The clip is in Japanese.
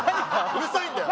うるさいんだよ！